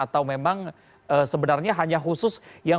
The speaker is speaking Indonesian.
terus kalau berhenti berhenti kalau kemarin